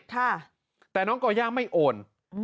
แต่น้องก่อย่าไม่โอน